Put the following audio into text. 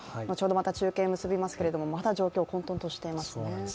また中継結びますけれどもまだ状況、混とんとしていますね。